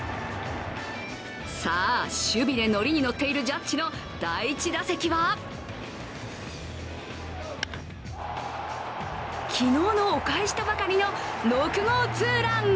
さあ、守備で乗りに乗っているジャッジの第１打席は昨日のお返しとばかりの６号ツーラン。